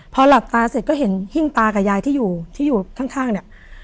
พอหลับตาเสร็จก็เห็นหิ้งตากับยายที่อยู่ที่อยู่ข้างเนี่ย